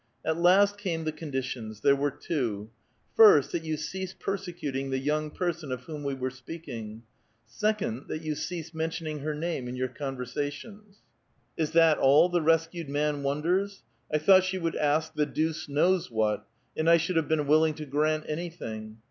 At last came the conditions ; there were two :'* First, that you cease persecuting the young person of whom we were speaking ; second, that you cease mentioning her name in your conversations." '' Is that all?" the rescued man wonders :" I thoujiht she would ask, the deuce knows what, and 1 should have been willing to grant anything."